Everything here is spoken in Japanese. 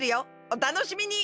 おたのしみに。